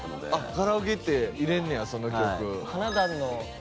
カラオケ行って入れんねやその曲。